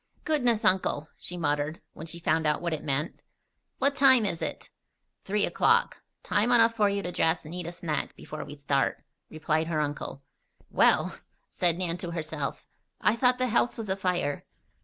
"Goodness, Uncle!" she muttered, when she found out what it meant. "What time is it?" "Three o'clock. Time enough for you to dress and eat a snack before we start," replied her uncle. "Well!" said Nan to herself. "I thought the house was afire."